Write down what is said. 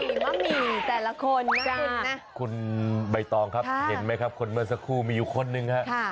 โอ้ยมะหมี่แต่ละคนคุณใบตองครับเห็นไหมครับคุณเมื่อสักครู่มีอยู่คนนึงครับ